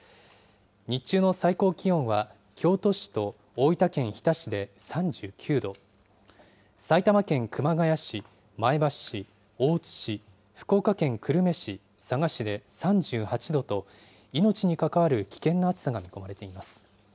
日中の最高気温は京都市と大分県日田市で３９度、埼玉県熊谷市、前橋市、大津市、福岡県久留米市、佐賀市で３８度と、命に関わる危険な暑さが見込まれています。